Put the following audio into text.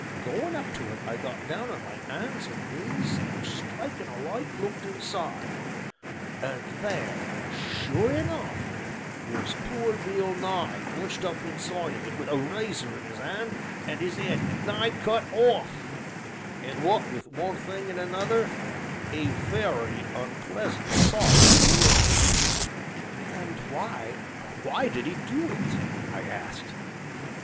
Goin' up to it I got down on my 'ands and knees, and, strikin' a light, looked inside; and there, sure enough, was poor Bill Nye hunched up inside of it wi' a razor in 'is 'and, and 'is 'ead nigh cut off and what wi' one thing and another, a very unpleasant sight he were." "And why why did he do it?" I asked.